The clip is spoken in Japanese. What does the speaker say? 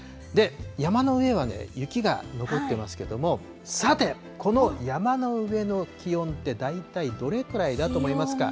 山の上は雪が残ってますけれども、さて、この山の上の気温ってだいたいどれくらいだと思いますか。